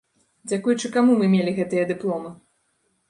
Дзякуючы каму мы мелі гэтыя дыпломы?